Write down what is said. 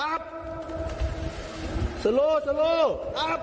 อันดับแรกอย่างที่เล่าไปคือคนเจ็บเนี่ยนอนอยู่ที่ก้นบ่อใช่มั้ยคะ